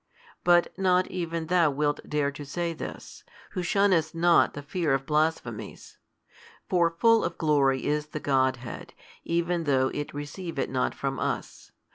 But not even thou wilt dare to say this, who shunnest not the fear of blasphemies. For full of glory is the Godhead, even though It receive it not from us.